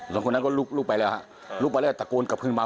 สองคนนั้นก็ลุกไปแล้วลุกไปแล้วตะโกนกลับขึ้นมา